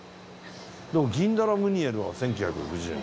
でも銀ダラムニエルは１９６０円。